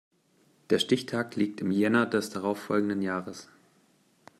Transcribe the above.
Der Stichtag liegt im Jänner des darauf folgenden Jahres.